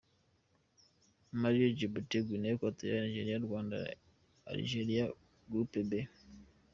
Mali, Egypt, Guinee equatoriale, Nigeria, Rwanda, AlgeriaGroup B.